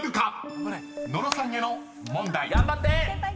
［野呂さんへの問題］頑張って！